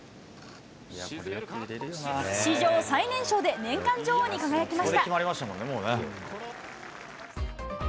史上最年少で、年間女王に輝きま